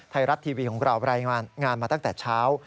ไทยรัฐทีวีของเรารายงานมาตั้งแต่เช้า